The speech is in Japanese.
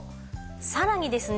さらにですね